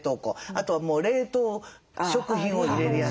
あとはもう冷凍食品を入れるやつ。